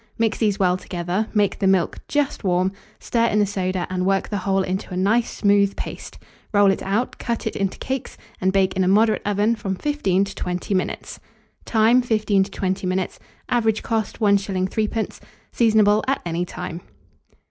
Mix these well together; make the milk just warm, stir in the soda, and work the whole into a nice smooth paste; roll it out, cut it into cakes, and bake in a moderate oven from 15 to 20 minutes. Time. 15 to 20 minutes. Average cost, 1s. 3d. Seasonable at any time.